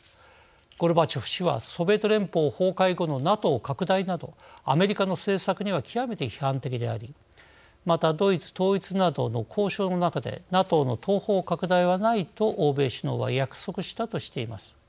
ゴルバチョフ氏はソビエト連邦崩壊後のＮＡＴＯ拡大などアメリカの政策には極めて批判的でありまた、ドイツ統一などの交渉の中でＮＡＴＯの東方拡大はないと欧米首脳は約束したとしています。